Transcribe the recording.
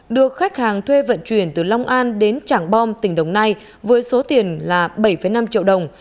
được khách hàng thuê vận chuyển từ long an đến trảng bom tỉnh đồng nai với số tiền là bảy năm triệu đồng